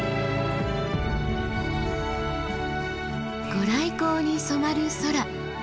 御来光に染まる空。